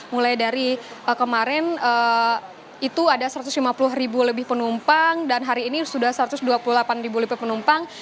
mulai dari kemarin itu ada satu ratus lima puluh ribu lebih penumpang dan hari ini sudah satu ratus dua puluh delapan ribu lipit penumpang